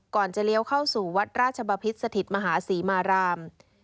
จะเลี้ยวเข้าสู่วัดราชบพิษสถิตมหาศรีมาราม